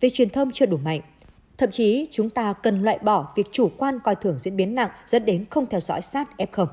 về truyền thông chưa đủ mạnh thậm chí chúng ta cần loại bỏ việc chủ quan coi thường diễn biến nặng dẫn đến không theo dõi sát f